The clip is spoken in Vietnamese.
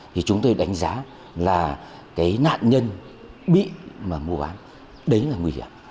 thì chúng tôi đánh giá là cái nạn nhân bị mà mua bán đấy là nguy hiểm